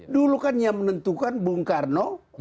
dulu kan yang menentukan bung karno